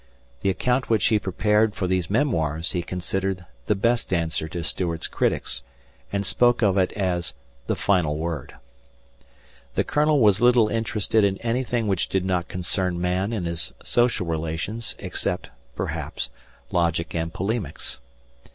The account which he prepared for these "Memoirs" he considered the best answer to Stuart's critics, and spoke of it as "the final word." The Colonel was little interested in anything which did not concern man in his social relations except, perhaps, logic and polemics.